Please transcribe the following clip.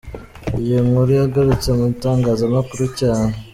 Iyi nkuru yagarutse mu itangazamakuru cyane.